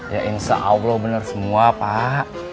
ya insya allah benar semua pak